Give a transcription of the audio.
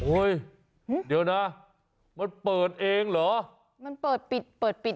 เดี๋ยวนะมันเปิดเองเหรอมันเปิดปิดเปิดปิด